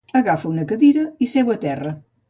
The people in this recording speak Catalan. Agafa una cadira i seu a terra.